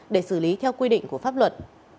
để xử lý theo quy định của pháp luật